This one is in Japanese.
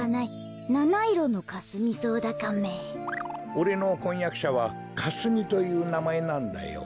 おれのこんやくしゃはかすみというなまえなんだよ。